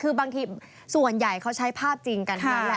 คือส่วนใหญ่เขาใช้ภาพจริงกันค่ะ